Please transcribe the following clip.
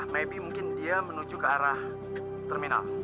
maybe mungkin dia menuju ke arah terminal